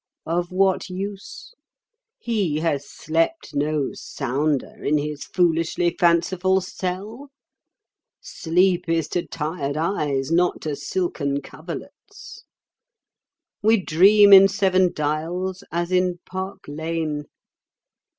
Of what use? He has slept no sounder in his foolishly fanciful cell. Sleep is to tired eyes, not to silken coverlets. We dream in Seven Dials as in Park Lane.